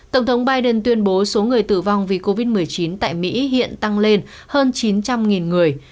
tổng thống biden tuyên bố số người tử vong vì covid một mươi chín tại mỹ hiện tăng lên hơn chín trăm linh người